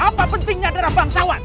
apa pentingnya darah bangsawan